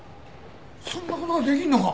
そんな事ができるのか？